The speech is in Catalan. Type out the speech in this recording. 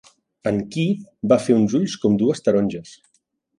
En Keith va fer uns ulls com dues taronges.